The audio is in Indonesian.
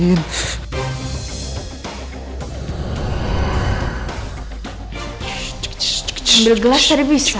ambil gelas tadi bisa